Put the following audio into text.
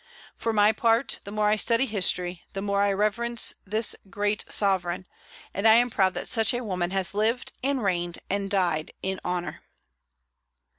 For my part, the more I study history the more I reverence this great sovereign; and I am proud that such a woman has lived and reigned and died in honor.